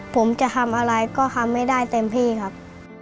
ผมจะทำอะไรก็ทำไม่ได้เต็มที่ครับ